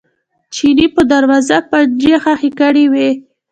چیني په دروازه پنجې ښخې کړې وې.